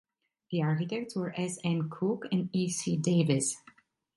The architects were S. N. Cooke and E. C. Davies.